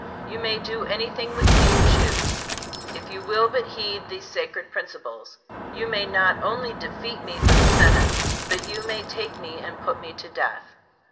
You may do anything with me you choose, if you will but heed these sacred principles. You may not only defeat me for the Senate, but you may take me and put me to death.